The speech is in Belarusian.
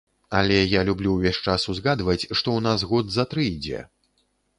Але я люблю ўвесь час узгадваць, што ў нас год за тры ідзе.